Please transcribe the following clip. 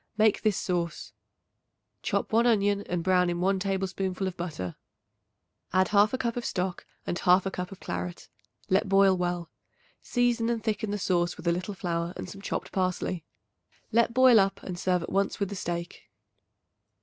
Make this sauce: Chop 1 onion and brown in 1 tablespoonful of butter; add 1/2 cup of stock and 1/2 cup of claret; let boil well. Season and thicken the sauce with a little flour and some chopped parsley. Let boil up and serve at once with the steak.